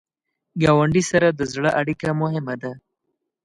ګاونډي سره د زړه اړیکه مهمه ده